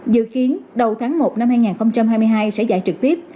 dự kiến đầu tháng một năm hai nghìn hai mươi hai sẽ giải trực tiếp